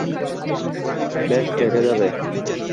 বেশ, দেখা যাবে।